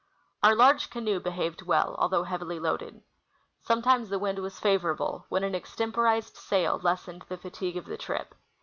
Our large canOe behaved well, although heavily loaded. Some times the wind was favorable, when an extemporized sail lessened the fatigue of the trip.